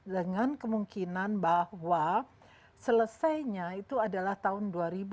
dengan kemungkinan bahwa selesainya itu adalah tahun dua ribu dua puluh